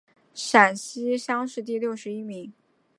陕西乡试第六十一名。